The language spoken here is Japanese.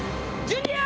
ジュニア。